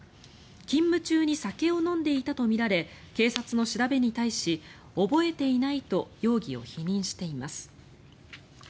勤務中に酒を飲んでいたとみられ警察の調べに対し覚えていないと容疑を否認しています。